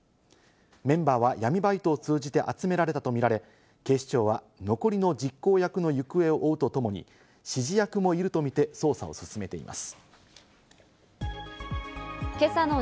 メンバーは闇バイトを通じて集められたとみられ、警視庁は残りの実行役の行方を追うとともに、指示役もいるとみて捜査を進めています。